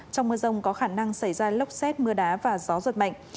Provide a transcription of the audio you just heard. trong mưa rông có khả năng xảy ra lốc xét mưa đá và gió giật mạnh